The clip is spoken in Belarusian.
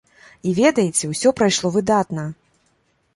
І ведаеце, усё прайшло выдатна!